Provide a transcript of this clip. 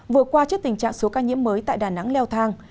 vừa qua trước tình trạng số ca nhiễm mới tại đà nẵng leo thang